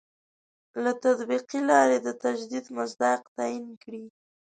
له تطبیقي لاري د تجدید مصداق تعین کړي.